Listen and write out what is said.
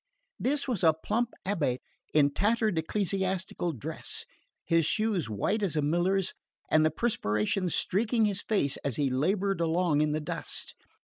This was a plump abate in tattered ecclesiastical dress, his shoes white as a miller's and the perspiration streaking his face as he laboured along in the dust.